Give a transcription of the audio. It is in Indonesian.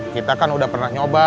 kita kan udah pernah nyoba